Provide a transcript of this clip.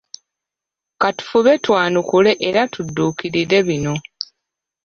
Ka tufube twanukule era tudduukirire bino